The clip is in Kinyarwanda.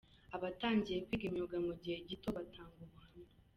Abatangiye kwiga imyuga mu gihe gito batanga ubuhamya .